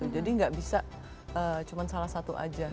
jadi gak bisa cuma salah satu aja